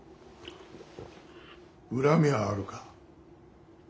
恨みはあるか。